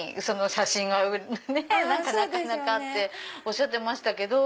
写真がなかなかっておっしゃってましたけど。